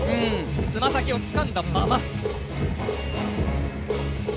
つま先をつかんだまま。